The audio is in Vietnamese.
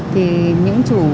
thì những chủ khen hàng